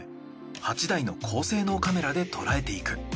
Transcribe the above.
８台の高性能カメラで捉えていく。